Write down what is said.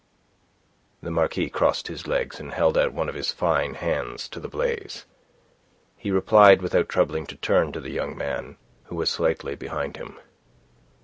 The Marquis crossed his legs, and held one of his fine hands to the blaze. He replied, without troubling to turn to the young man, who was slightly behind him.